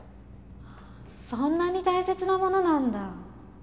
そんなに大切なものなんだ。